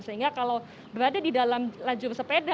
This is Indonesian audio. sehingga kalau berada di dalam lajur sepeda